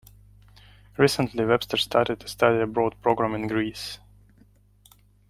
Recently, Webster started a study abroad program in Greece.